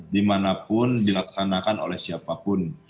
dimanapun dilaksanakan oleh siapapun